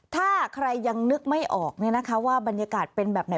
ถ้าใครยังนึกไม่ออกว่าบรรยากาศเป็นแบบไหน